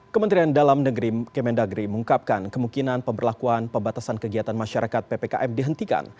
kementerian dalam negeri kemendagri mengungkapkan kemungkinan pemberlakuan pembatasan kegiatan masyarakat ppkm dihentikan